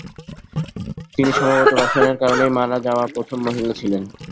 তিনি সম্ভবত "রসায়নের কারণেই মারা যাওয়া প্রথম মহিলা" ছিলেন।